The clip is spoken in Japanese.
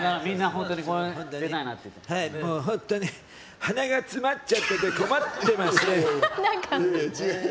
本当に鼻が詰まっちゃって困ってます。